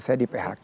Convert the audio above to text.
saya di phk